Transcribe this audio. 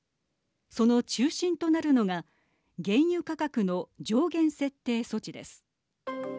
その中心となるのが原油価格の上限設定措置です。